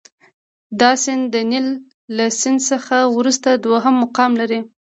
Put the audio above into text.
دا سیند د نیل له سیند څخه وروسته دوهم مقام لري.